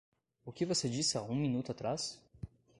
O que você disse há um minuto atrás?